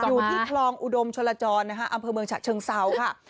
อยู่ที่คลองอุดมชลจรนะคะอำเภอเมืองฉะเชิงเซาค่ะ